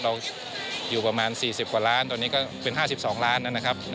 เราอยู่ประมาณ๔๐กว่าล้านตอนนี้ก็เป็น๕๒ล้านนะครับ